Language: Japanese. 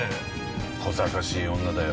こざかしい女だよ。